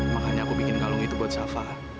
makanya aku bikin kalung itu buat safa